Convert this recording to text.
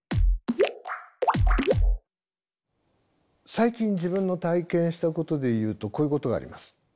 最近自分の体験したことで言うとこういうことがあります。